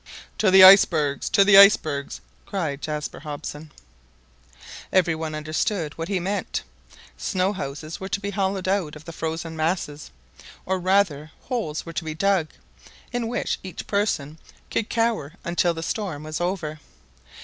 "To the icebergs! to the icebergs !" cried Jaspar Hobson. Every one understood what he meant. Snow houses were to be hollowed out of the frozen masses, or rather holes were to be dug, in which each person could cower until the storm was over.